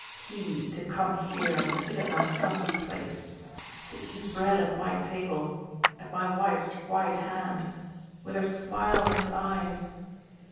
He, to come here and sit in my son's place to eat bread at my table at my wife's right hand with her smile in his eyes?